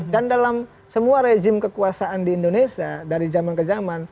dan dalam semua rezim kekuasaan di indonesia dari zaman ke zaman